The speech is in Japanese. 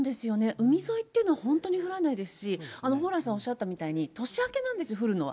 海沿いっていうのは本当に降らないですし、蓬莱さんおっしゃったみたいに、年明けなんですよ、降るのは。